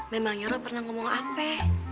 memangnya lu pernah ngomong ape